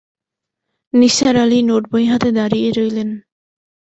নিসার আলি নোটবই হাতে দাঁড়িয়ে রইলেন।